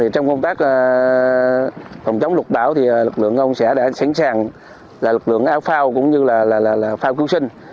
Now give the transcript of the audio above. trong công tác phòng chống lục bão lực lượng ông sẽ đã sẵn sàng lực lượng áo phao cũng như là phao cứu sinh